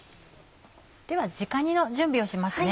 では直煮の準備をします。